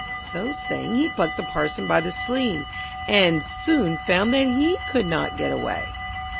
So saying, he plucked the Parson by the sleeve, and soon found that he could not get away.